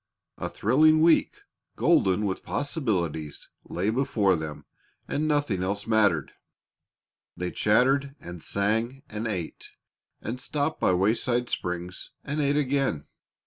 A thrilling week, golden with possibilities, lay before them, and nothing else mattered. They chattered and sang and ate, and stopped by wayside springs, and ate again.